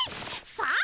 さあ！